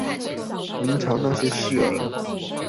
明朝那些事兒